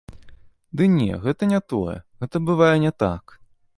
Ды не, гэта не тое, гэта бывае не так.